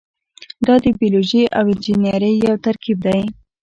دا د بیولوژي او انجنیری یو ترکیب دی.